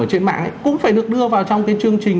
ở trên mạng ấy cũng phải được đưa vào trong cái chương trình